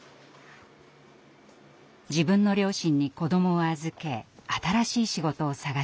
自分の両親に子どもを預け新しい仕事を探しました。